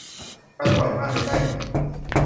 กันบ่อยมากในไต้หวัน